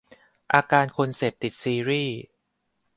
อาการคนเสพติดซีรีส์